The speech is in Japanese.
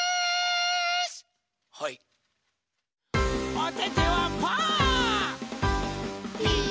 おててはパー。